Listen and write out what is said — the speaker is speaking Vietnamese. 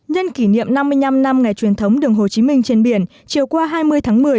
nhân kỷ niệm năm mươi năm năm ngày truyền thống đường hồ chí minh trên biển chiều qua hai mươi tháng một mươi